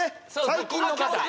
最近の方